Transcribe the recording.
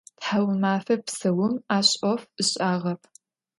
Thaumafe psaum aş 'of ış'ağep.